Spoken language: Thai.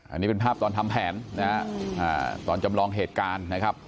อันนี้เป็นภาพตอนทำแผนนะฮะตอนจำลองเหตุการณ์นะครับ